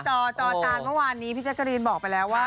จอจานเมื่อวานนี้พี่แจ๊กกะรีนบอกไปแล้วว่า